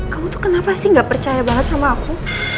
kamu tuh kenapa sih gak percaya banget sama aku